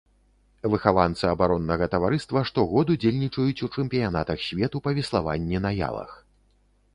Выхаванцы абароннага таварыства штогод удзельнічаюць у чэмпіянатах свету па веславанні на ялах.